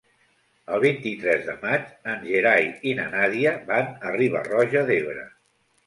El vint-i-tres de maig en Gerai i na Nàdia van a Riba-roja d'Ebre.